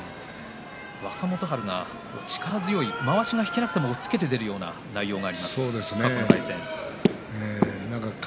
若元春が力強いまわしが引けなくても押っつけて出るような内容がありますか？